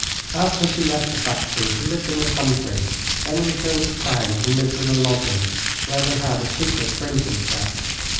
After she left the factory she lived in the country, then returned to town and lived in a lodging, where they had a secret printing press.